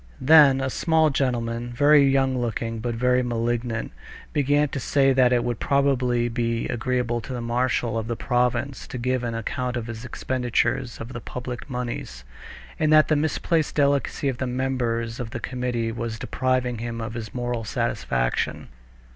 Then a small gentleman, very young looking but very malignant, began to say that it would probably be agreeable to the marshal of the province to give an account of his expenditures of the public moneys, and that the misplaced delicacy of the members of the committee was depriving him of this moral satisfaction.